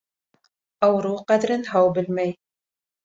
Ауырыу ҡәҙерен һау белмәй